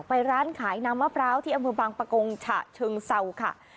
ไปร้านขายน้ำมะพร้าวที่อำเภอบางปะกงฉะเชิงเศร้าค่ะ